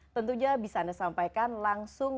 tentunya bisa anda sampaikan langsung